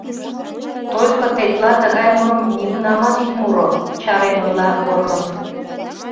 — Только тетла тыгай мурым нигунамат ит муро, — чарен ойла Горлов.